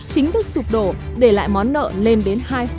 chính thức sụp đổ để lại món nợ lên đến hai